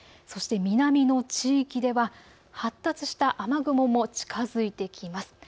そして南の地域では発達した雨雲も近づいてきます。